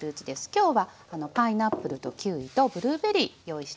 きょうはパイナップルとキウイとブルーベリー用意してます。